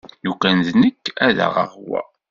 Lukan d nekk ad aɣeɣ wa.